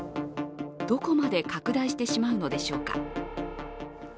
どこまで拡大してしまうのでしょうか。